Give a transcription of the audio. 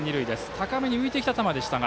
高めに浮いた球でしたが。